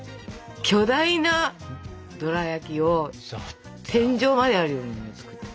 巨大なドラやきを天井まであるようなの作ってた。